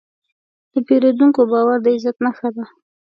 د پیرودونکي باور د عزت نښه ده.